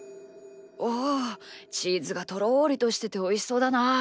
おおチーズがとろりとしてておいしそうだなあ。